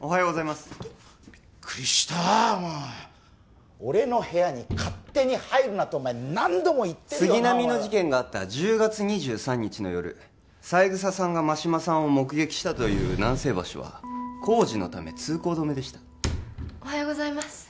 おはようございますビックリしたもうッ俺の部屋に勝手に入るなと何度も言って杉並の事件があった１０月２３日の夜三枝さんが真島さんを目撃したという南星橋は工事のため通行止めでしたおはようございます